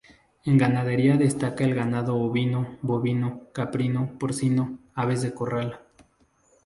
En ganadería destaca el ganado ovino, bovino, caprino, porcino, aves de corral.